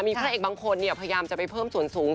มีพระเอกบางคนพยายามจะไปเพิ่มส่วนสูง